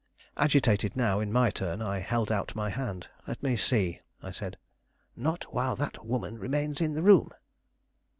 Agitated now in my turn, I held out my hand. "Let me see," I said. "Not while that woman remains in the room."